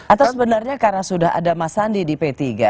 atau sebenarnya karena sudah ada mas sandi di p tiga